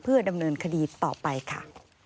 เพื่อดำเนินคดีต่อไปค่ะ